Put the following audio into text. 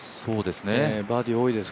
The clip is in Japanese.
バーディー多いです